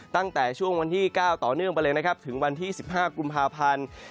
ตั้งแต่ช่วงวันที่๙ต่อเนื่องไปเลยนะครับถึงวันที่๑๕กุมภาพันธ์